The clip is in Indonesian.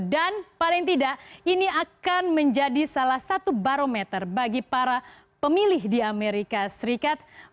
dan paling tidak ini akan menjadi salah satu barometer bagi para pemilih di amerika serikat